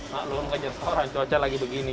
nak lo mengajar seorang cuaca lagi begini